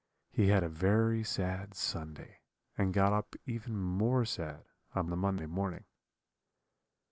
He had a very sad Sunday, and got up even more sad on the Monday morning.